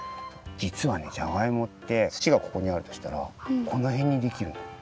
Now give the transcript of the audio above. じつはねじゃがいもって土がここにあるとしたらこのへんにできるの。